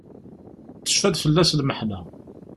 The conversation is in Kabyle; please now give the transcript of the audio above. Tecfa-d fell-as lmeḥna.